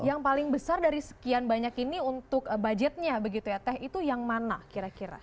yang paling besar dari sekian banyak ini untuk budgetnya begitu ya teh itu yang mana kira kira